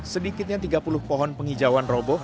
sedikitnya tiga puluh pohon penghijauan roboh